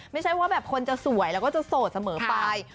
ไม่ใช่ว่าคนจะสวยส่วนสมอยงตาย